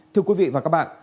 thưa quý vị và các bạn